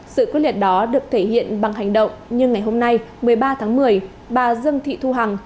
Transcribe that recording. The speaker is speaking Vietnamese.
sự quyết liệt đó được thể hiện bằng hành động như ngày hôm nay một mươi ba tháng một mươi bà dương thị thu hằng